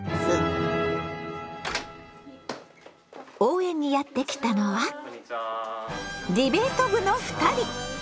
応援にやって来たのはディベート部の２人！